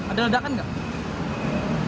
ada ledakan nggak